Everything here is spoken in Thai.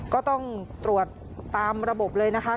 ก็ต้องตรวจตามระบบเลยนะคะ